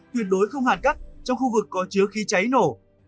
tuyệt đối không hàn cắt trong khu vực có chứa khí cháy nổ